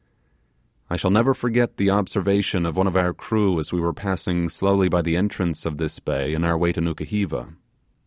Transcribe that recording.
I shall never forget the observation of one of our crew as we were passing slowly by the entrance of the bay in our way to Nukuheva.